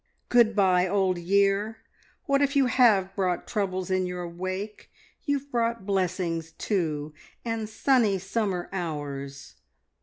Good bye, Old Year! What if you have brought troubles in your wake, you have brought blessings too, and sunny summer hours!